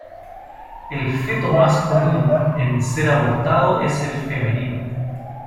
El feto más común en ser abortado es el femenino.